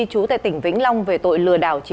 chú tệ tỉnh vĩnh long về tội lừa đảo